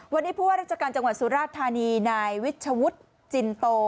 วันนี้ผู้ว่าราชการจังหวัดสุราชธานีนายวิชวุฒิจินโต